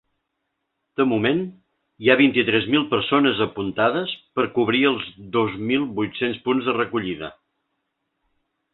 De moment hi ha vint-i-tres mil persones apuntades per cobrir els dos mil vuit-cents punts de recollida.